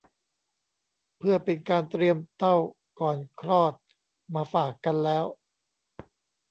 เพื่อเป็นการเตรียมเต้าก่อนคลอดมาฝากกันแล้ว